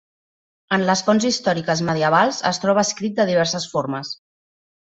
En les fonts històriques medievals, es troba escrit de diverses formes.